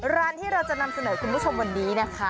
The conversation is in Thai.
ร้านที่เราจะนำเสนอคุณผู้ชมวันนี้นะคะ